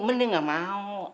mending ga mau